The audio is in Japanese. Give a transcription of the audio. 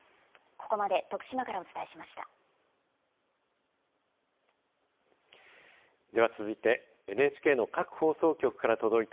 ここまで徳島からお伝えしました。